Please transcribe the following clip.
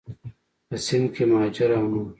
په سند کې مهاجر او نور